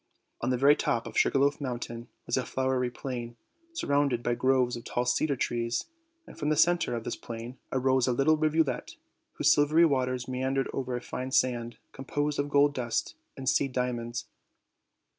On the very top of the Sugar Loaf Mountain was a flowery plain, surrounded by groves of tall cedar trees; and from the center of this plain arose a little rivulet, whose silvery waters meandered over a fine sand, composed of gold dust and seed diamonds.